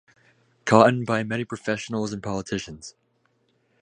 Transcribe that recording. Cotton by many professionals and politicians.